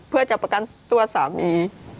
เพื่อจะประกันตัวสามี